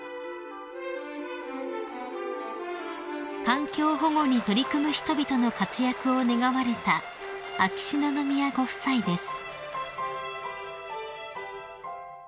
［環境保護に取り組む人々の活躍を願われた秋篠宮ご夫妻です］